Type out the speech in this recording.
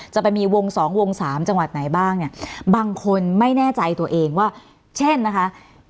จะไปมีวง๒วง๓จังหวัดไหนบ้างบางคนไม่แน่ใจตัวเองว่าเช่นนะคะ